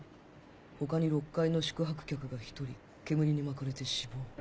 他に６階の宿泊客が１人煙に巻かれて死亡